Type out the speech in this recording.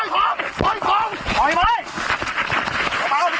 ตอนที่เจอที่แรกเจออยู่ตรงที่ต่อไป